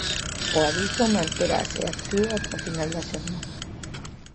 O aviso manterase activo ata o final da xornada.